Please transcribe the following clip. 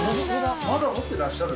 まだ持ってらっしゃる。